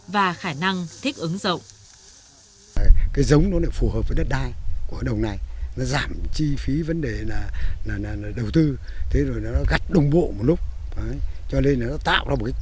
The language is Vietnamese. và khả năng thích ứng rộng